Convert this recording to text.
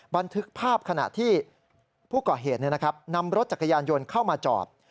บันทึกภาพขณะที่ผู้ก่อเหตุนำรถจักรยานยนต์เข้ามาจอด